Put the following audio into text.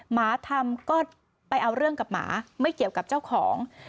หมาทำก็ไปเอาเรื่องกับหมาไม่เกี่ยวกับเจ้าของ